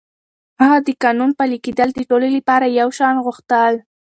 هغه د قانون پلي کېدل د ټولو لپاره يو شان غوښتل.